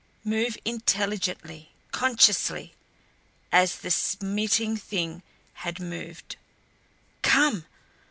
Move intelligently, consciously as the Smiting Thing had moved. "Come!"